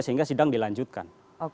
sehingga sedang dilanjutkan